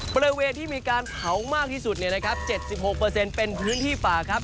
บริเวณที่มีการเผามากที่สุด๗๖เป็นพื้นที่ป่าครับ